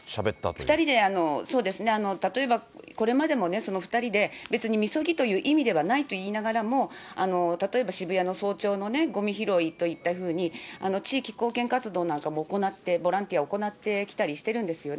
２人で、これまでも２人で、別にみそぎという意味ではないと言いながらも、例えば渋谷の早朝のごみ拾いといったふうに、地域貢献活動なんかも行って、ボランティアを行ってきたりもしてるんですよね。